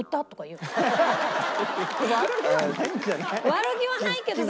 悪気はないけどさ。